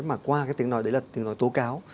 mà qua cái tiếng nói đấy là tiếng nói tố cáo